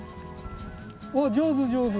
おっ上手上手！